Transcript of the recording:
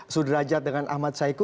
sudrajat dengan ahmad saiku